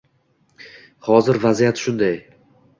Hozir vaziyat shunday